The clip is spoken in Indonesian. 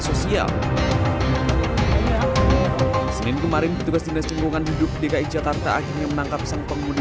sosial senin kemarin petugas dinas lingkungan hidup dki jakarta akhirnya menangkap sang penghuni